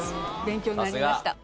勉強になりました。